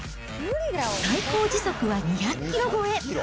最高時速は２００キロ超え。